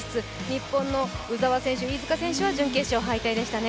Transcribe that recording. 日本の鵜澤選手、飯塚選手は準決勝敗退でしたね。